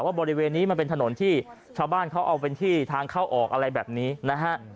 บริเวณนี้มันเป็นถนนที่ชาวบ้านเขาเอาเป็นที่ทางเข้าออกอะไรแบบนี้นะฮะ